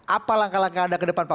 apa langkah langkah anda ke depan pak